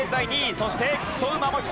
そして木曽馬もきた！